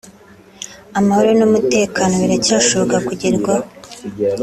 amahoro n’umutekano biracyashoboka kugerwaho